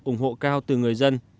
ủng hộ cao từ người dân